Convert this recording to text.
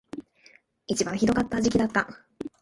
一番ひどかった時期だった